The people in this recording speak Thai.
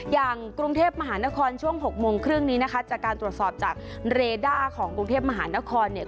อย่างกรุงเทพมหานครช่วง๖โมงครึ่งนี้นะคะจากการตรวจสอบจากเรด้าของกรุงเทพมหานครเนี่ย